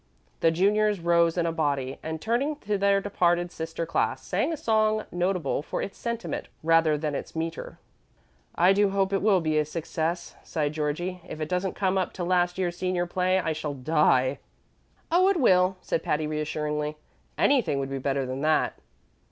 The juniors rose in a body, and, turning to their departed sister class, sang a song notable for its sentiment rather than its meter. "I do hope it will be a success," sighed Georgie. "If it doesn't come up to last year's senior play I shall die." "Oh, it will," said Patty, reassuringly. "Anything would be better than that."